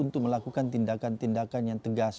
untuk melakukan tindakan tindakan yang tegas